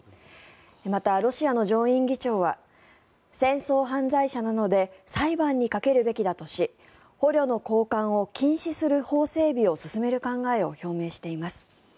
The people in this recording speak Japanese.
また、ロシアの上院議長は戦争犯罪者なので裁判にかけるべきだとし捕虜の交換を禁止する法整備を進める考えを表明しています。